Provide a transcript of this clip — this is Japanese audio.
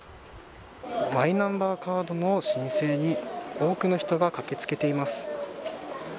マイナンバーカードの申請に多くの人が駆け付けています。